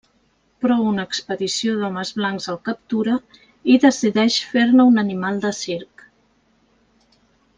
Però una expedició d'homes blancs el captura i decideix fer-ne un animal de circ.